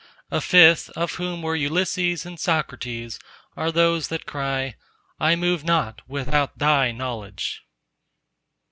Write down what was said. A fifth, of whom were Ulysses and Socrates are those that cry:— _I move not without Thy knowledge!